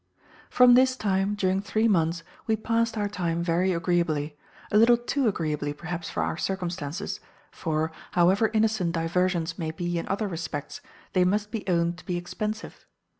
"From this time, during three months, we past our time very agreeably, a little too agreeably perhaps for our circumstances; for, however innocent diversions may be in other respects, they must be owned to be expensive.